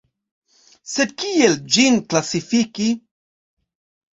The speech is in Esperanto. Sed kiel ĝin klasifiki?